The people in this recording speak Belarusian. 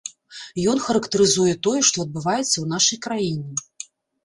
Ён характарызуе тое, што адбываецца ў нашай краіне.